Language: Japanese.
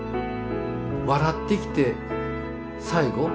笑って生きて最期